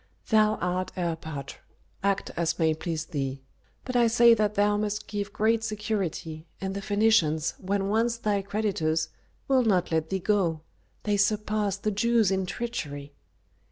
"Thou art erpatr, act as may please thee. But I say that thou must give great security, and the Phœnicians, when once thy creditors, will not let thee go. They surpass the Jews in treachery."